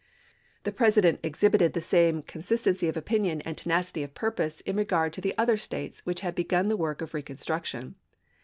The President exhibited the same consistency of opinion and tenacity of purpose in regard to the other States which had begun the work of recon struction.